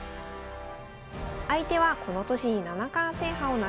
相手はこの年に七冠制覇を成し遂げました